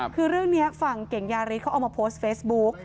คือเรื่องนี้ฝั่งเก่งยาริสเขาเอามาโพสต์เฟซบุ๊ก